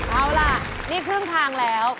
เอาล่ะนี่ครึ่งทางแล้ว